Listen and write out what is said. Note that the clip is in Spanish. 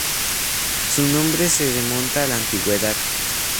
Su nombre se remonta a la antigüedad.